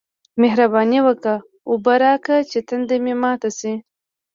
مهرباني وکه! اوبه راکه چې تنده مې ماته شي